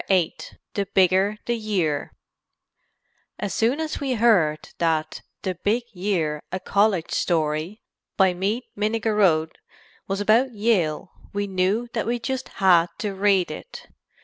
VIII THE BIGGER THE YEAR As soon as we heard that "The Big Year A College Story" by Meade Minnigerode was about Yale we knew that we just had to read it.